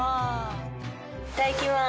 いただきます。